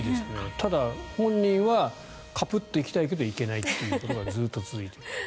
ただ、本人はカプッて行きたいけど行けないということがずっと続いている。